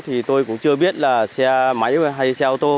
thì tôi cũng chưa biết là xe máy hay xe ô tô